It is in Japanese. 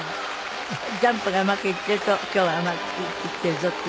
ジャンプがうまくいっていると今日はうまくいっているぞっていう。